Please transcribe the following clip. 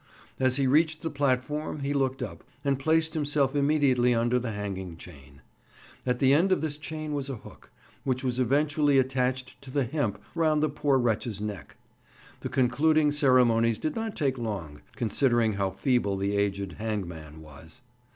As he reached the platform, he looked up, and placed himself immediately under the hanging chain. At the end of this chain was a hook, which was eventually attached to the hemp round the poor wretch's neck. The concluding ceremonies did not take long, considering how feeble the aged hangman was.